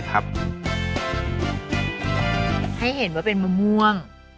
ให้เห็นว่าเป็นมะม่วง